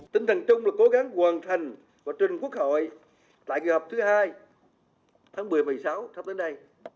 tính thần chung là cố gắng hoàn thành và trình quốc hội tại kỳ họp thứ hai tháng một mươi một mươi sáu thắp đến đây